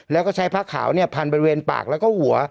แล้วก็ใช้ผ้าขาวพันบริเวณปากแล้วก็หัว